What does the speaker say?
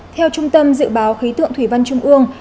theo trung tâm dự báo khí tượng thủy văn trung ương